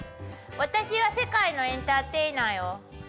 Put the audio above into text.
私は世界のエンターテイナーよやらせなさい。